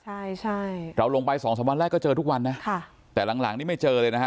ใช่ใช่เราลงไปสองสามวันแรกก็เจอทุกวันนะค่ะแต่หลังหลังนี่ไม่เจอเลยนะฮะ